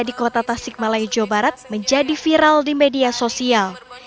di kota tasik malaya jawa barat menjadi viral di media sosial